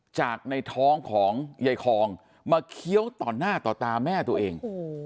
จากในท้องของยายคองมาเคี้ยวต่อหน้าต่อตาแม่ตัวเอง